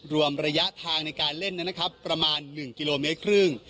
รวมระยะทางในการเล่นนะครับประมาณ๑กิโลเมตรครึ่ง